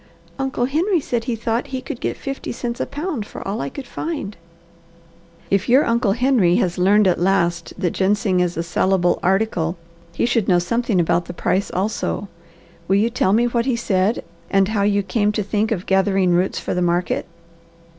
"Uncle Henry said he thought he could get fifty cents a pound for all I could find." "If your Uncle Henry has learned at last that ginseng is a salable article he should know something about the price also. Will you tell me what he said, and how you came to think of gathering roots for the market?"